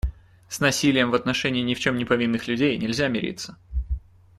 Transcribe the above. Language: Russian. С насилием в отношении ни в чем не повинных людей нельзя мириться.